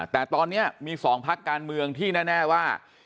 แต่ตอนนี้มี๒พักการเมืองที่แน่ว่า